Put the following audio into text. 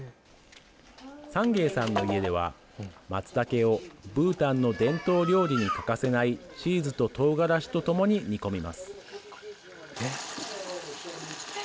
サンゲイさんの家ではまつたけをブータンの伝統料理に欠かせないチーズと唐辛子とともに煮込みます。